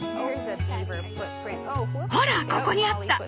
ほらここにあった。